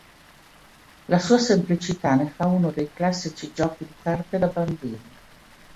La sua semplicità ne fa uno dei classici giochi di carte da bambini.